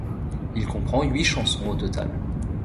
Il comprend huit chansons au total.